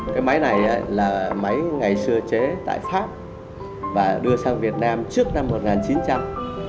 cái máy này là máy ngày xưa chế tại pháp và đưa sang việt nam trước năm một nghìn chín trăm linh